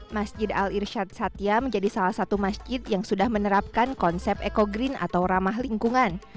masjid al irshad satya menjadi salah satu masjid yang sudah menerapkan konsep eco green atau ramah lingkungan